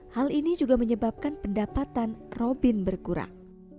hal ini juga menyebabkan pendapatan robin berkurang